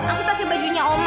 aku pakai bajunya oma